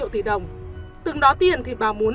tỷ đồng từng đó tiền thì bà muốn